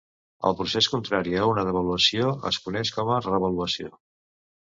El procés contrari a una devaluació es coneix com a revaluació.